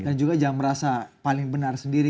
juga jangan merasa paling benar sendiri